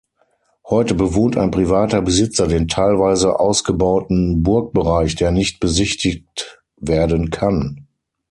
Heute bewohnt ein privater Besitzer den teilweise ausgebauten Burgbereich, der nicht besichtigt werden kann.